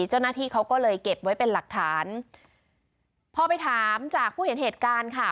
เจ้าหน้าที่เขาก็เลยเก็บไว้เป็นหลักฐานพอไปถามจากผู้เห็นเหตุการณ์ค่ะ